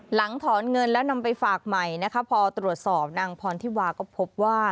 หลังถอนเงินแล้วนำไปฝากใหม่นะคะพอตรวจสอบนางพรธิวาก็พบว่า